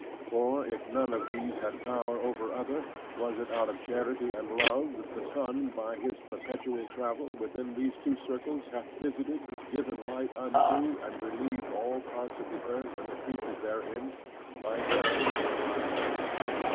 Or if none of these had power over other: was it out of charity and love, that the sun by his perpetual travel within these two circles, hath visited, given light unto, and relieved all parts of the earth, and the creatures therein, by turns and times?